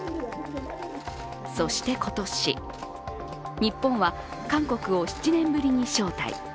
そして今年、日本は韓国を７年ぶりに招待。